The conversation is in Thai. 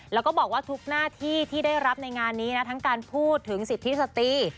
แล้วก็บอกว่าทุกหน้าที่ที่ได้รับในงานนี้นะทั้งการพูดถึงสิทธิสตรี